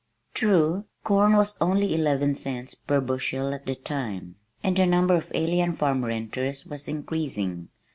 True, corn was only eleven cents per bushel at that time, and the number of alien farm renters was increasing.